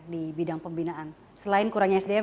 di bidang pembinaan selain kurangnya sdm